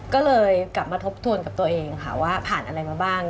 ก็เลยกลับมาทบทวนกับตัวเองค่ะว่าผ่านอะไรมาบ้าง